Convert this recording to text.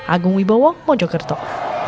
agung wibowo mojo kertop